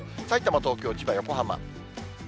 さいたま、東京、千葉、横浜。